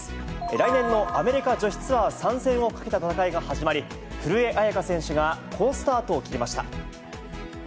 来年のアメリカ女子ツアー参戦をかけた戦いが始まり、古江彩佳選手が好スタートを切りました。